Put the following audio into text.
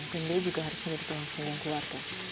dan dia juga harus mengerti waktu yang keluar